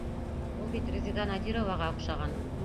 Ул бит Резеда Надироваға оҡшаған!